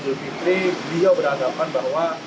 dukitri beliau berhadapan bahwa